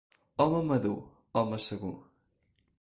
Home madur, home segur.